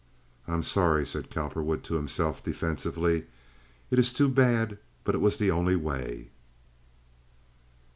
"I'm sorry," said Cowperwood to himself, defensively. "It is too bad, but it was the only way."